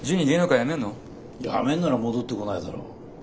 やめんなら戻ってこないだろう。